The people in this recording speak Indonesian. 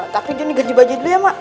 tapi jangan digaji gaji dulu ya mak